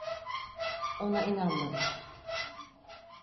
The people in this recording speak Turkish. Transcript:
Ona inanmadım.